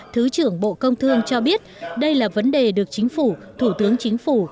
thứ trưởng bộ công thương cho biết đây là vấn đề được chính phủ thủ tướng chính phủ